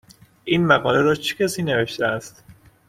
این مقاله را چه کسی نوشته است؟